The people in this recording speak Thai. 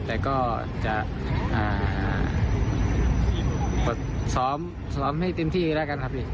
แต่ก็จะซ้อมให้เต็มที่แล้วกันครับพี่